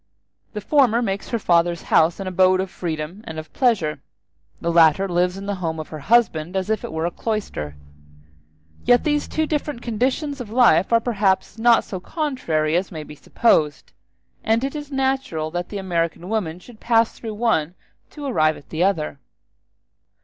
The former makes her father's house an abode of freedom and of pleasure; the latter lives in the home of her husband as if it were a cloister. Yet these two different conditions of life are perhaps not so contrary as may be supposed, and it is natural that the American women should pass through the one to arrive at the other.